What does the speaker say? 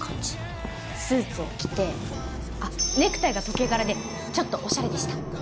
スーツを着てあっネクタイが時計柄でちょっとオシャレでした。